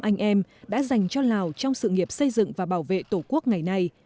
anh em đã dành cho lào trong sự nghiệp xây dựng và bảo vệ tổ quốc ngày nay